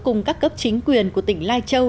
cùng các cấp chính quyền của tỉnh lai châu